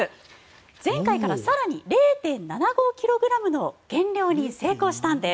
前回から更に０．７５ｋｇの減量に成功したんです。